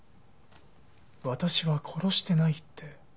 私は殺してないって。